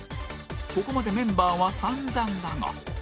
ここまでメンバーは散々だが